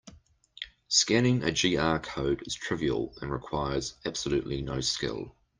Scanning a QR code is trivial and requires absolutely no skill.